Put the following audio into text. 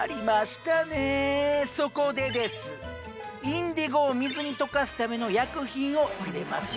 インディゴを水に溶かすための薬品を入れます。